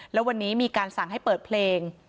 แล้ววันนี้มีการสั่งให้เปิดเพลง